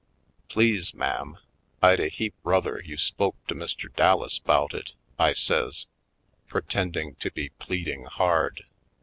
"Please, ma'am, I'd a heap ruther you spoke to Mr. Dallas 'bout it," I says, pre tending to be pleading hard.